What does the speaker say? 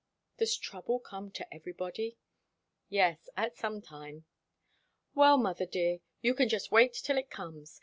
"Does trouble come to everybody?" "Yes. At some time." "Well, mother dear, you can just wait till it comes.